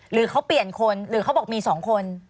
หรือเขาเปลี่ยนคนหรือเขาบอกมี๒คน